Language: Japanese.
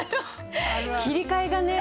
切り替えがね